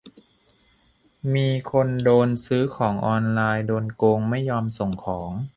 - มีคนโดนซื้อของออนไลน์โดนโกงไม่ยอมส่งของ